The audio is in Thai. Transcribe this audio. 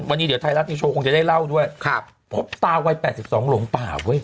วันนี้เดี๋ยวไทยรัฐนิวโชว์คงจะได้เล่าด้วยครับพบตาวัยแปดสิบสองหลงป่าเว้ย